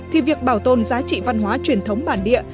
thì việc bảo tồn giá trị văn hóa truyền thống bản địa